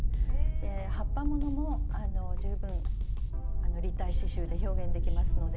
で葉っぱものも十分立体刺しゅうで表現できますので。